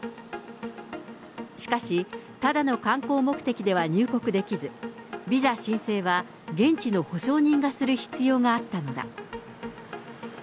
しかしただの観光目的では入国できず、ビザ申請は現地の保証人がする必要があったのだ。